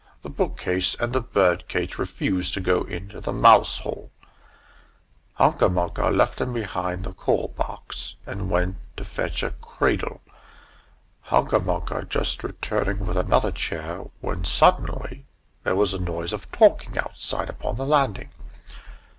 The book case and the bird cage refused to go into the mousehole. Hunca Munca left them behind the coal box, and went to fetch a cradle. Hunca Munca was just returning with another chair, when suddenly there was a noise of talking outside upon the landing.